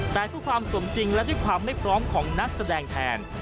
แต่เพื่อความสมจริงและด้วยความไม่พร้อมของนักแสดงแทน